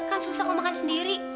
kan susah kok makan sendiri